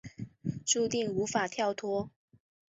注定无法跳脱